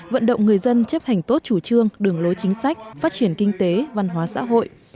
vận động người dân chấp hành tốt chủ trương đường lối chính sách phát triển kinh tế văn hóa xã hội